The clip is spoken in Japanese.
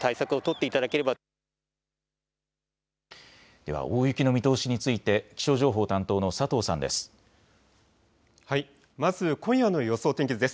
では大雪の見通しについて気象情報担当の佐藤さんです。